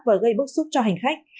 và gây bốc xúc cho hành khách